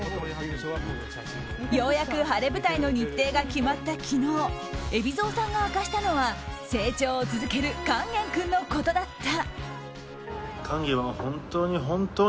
ようやく晴れ舞台の日程が決まった昨日海老蔵さんが明かしたのは成長を続ける勸玄君のことだった。